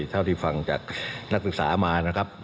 เท่าที่ฟังจากนักศึกษามานะครับ